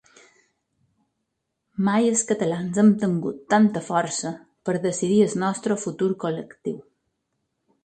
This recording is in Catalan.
Mai els catalans hem tingut tanta força per decidir el nostre futur col·lectiu.